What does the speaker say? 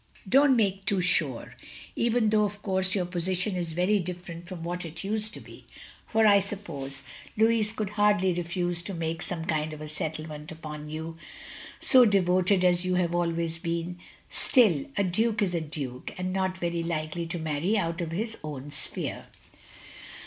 Don't make too stire. Even though of cotirse your position is OP GROSVENOR SQUARE 241 very different from what it used to be, (for I suppose Louis could hardly refuse to make some kind of a settlement upon you, so devoted as you have always been), stai — a, Duke is a Duke, and not very likely to marry out of his own sphere.